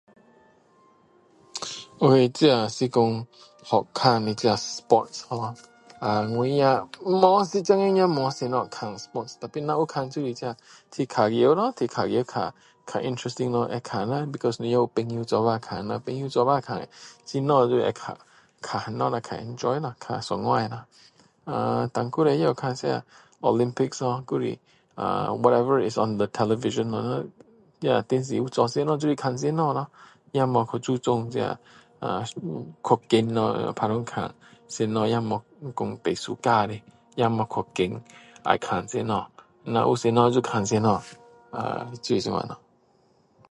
我这是说好看的sport ho啊我也没现今也没什么看sports但是现今那就是踢足球咯踢足球比较interesting啊because 有朋友一起看咯朋友一起看会看很多咯比较enjoy啦较爽快啦还有叻也有Olympics 咯还是whatsever in the television 那电视有做什么就看什么咯也没去注重这去选要看没说特别喜欢的要去看什么若有什么就看什么啊就是这样咯